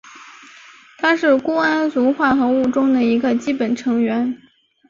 它是钴胺族化合物中的一个基本成员。